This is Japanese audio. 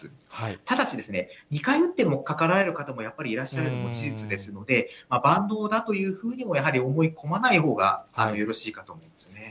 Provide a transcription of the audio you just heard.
ただしですね、２回打っても、かかられる方もやっぱりいらっしゃるのも事実ですので、万能だというふうにも、やはり思い込まないほうがよろしいかと思いますね。